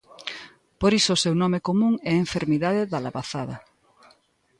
Por iso o seu nome común é enfermidade da labazada.